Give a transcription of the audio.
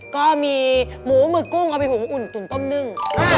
ก็มีหมูหมึกกุ้งเอาไปหุงอุ่นตุ๋นต้มนึ่ง